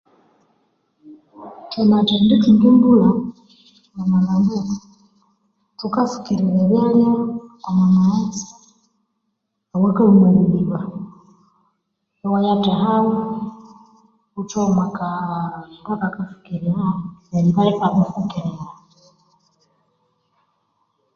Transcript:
Thwamathendi thunga embulha omu malhambo ethu thukafukirira ebyalya omo maghetse awa kalhwa omo biddiba iwayathehagho ighuthagho omukaa kandu akakaffukirira iwaffukirira